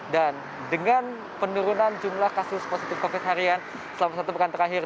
dan dengan penurunan jumlah kasus positif covid harian selama satu pekan terakhir